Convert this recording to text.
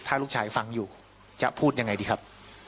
ถ้าลูกชายฟังอยู่จะพูดยังไงดีครับ